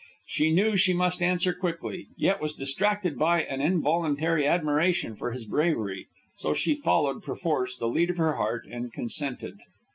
She knew she must answer quickly, yet was distracted by an involuntary admiration for his bravery. So she followed, perforce, the lead of her heart, and consented.